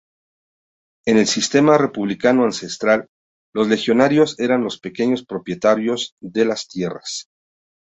En el sistema republicano ancestral, los legionarios eran los pequeños propietarios de tierras.